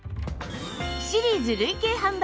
シリーズ累計販売